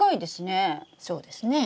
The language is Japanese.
そうですね。